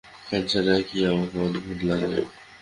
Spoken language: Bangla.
প্যান্ট ছাড়া কি আমাকে অদ্ভুত লাগে?